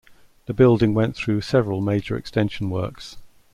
The building went through several major extension works.